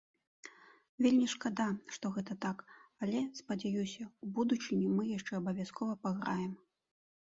Вельмі шкада, што гэта так, але, спадзяюся, у будучыні мы яшчэ абавязкова паграем.